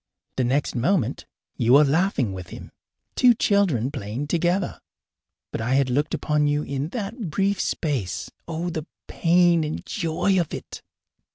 The next moment you were laughing with him two children playing together. But I had looked upon you in that brief space. Oh, the pain and joy of it!